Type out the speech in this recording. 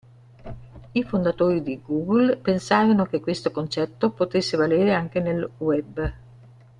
I fondatori di Google pensarono che questo concetto potesse valere anche nel web.